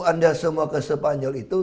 anda semua ke spanyol itu